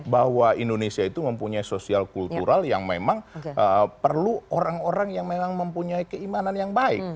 bahwa indonesia itu mempunyai sosial kultural yang memang perlu orang orang yang memang mempunyai keimanan yang baik